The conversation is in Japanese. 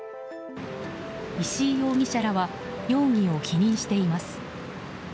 石井容疑者らは容疑を否認しています。